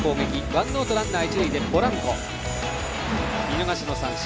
ワンアウトランナー、一塁でポランコは見逃しの三振。